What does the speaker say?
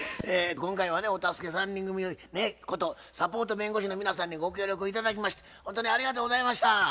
今回はねお助け３人組ことサポート弁護士の皆さんにご協力頂きましてほんとにありがとうございました。